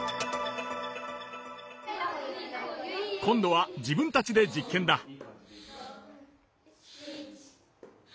今度は自分たちで実験だ。